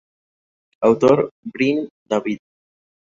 Autor: Brin, David.